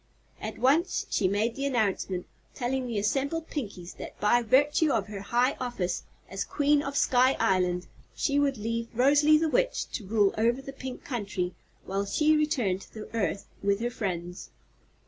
At once she made the announcement, telling the assembled Pinkies that by virtue of her high office as Queen of Sky Island she would leave Rosalie the Witch to rule over the Pink Country while she returned to the Earth with her friends.